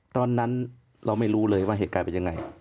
ตอนนั้นเราไม่รู้เลยว่าเหตุการณ์เป็นยังไง